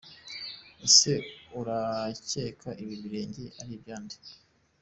Ese urakeka ibi birenge ari ibya nde?.